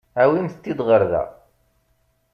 Awimt-t-id ɣer da.